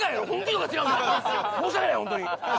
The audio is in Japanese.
申し訳ないホントに。